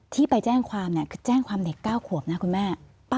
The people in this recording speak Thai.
ที่ไปแจ้งความเนี่ยคือแจ้งความเด็ก๙ขวบนะคุณแม่